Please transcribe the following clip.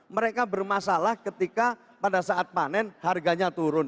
mereka bermasalah ketika pada saat panen harganya turun